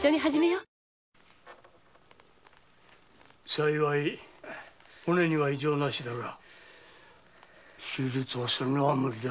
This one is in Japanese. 幸い骨には異常なしだが手術をするのは無理だろう。